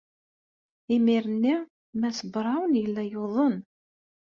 Imir-nni, Mass Brown yella yuḍen.